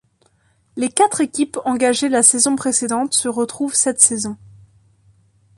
Les quatre équipes engagées la saison précédente se retrouvent cette saison.